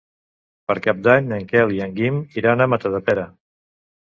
Per Cap d'Any en Quel i en Guim iran a Matadepera.